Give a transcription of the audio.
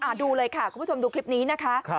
ดูเลยค่ะคุณผู้ชมดูคลิปนี้นะคะ